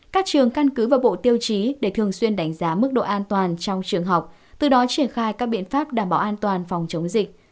các trường căn cứ vào bộ tiêu chí để thường xuyên đánh giá mức độ an toàn trong trường học từ đó triển khai các biện pháp đảm bảo an toàn phòng chống dịch